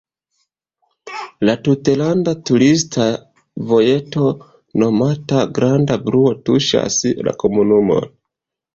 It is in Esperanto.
La tutlanda turista vojeto nomata granda bluo tuŝas la komunumon.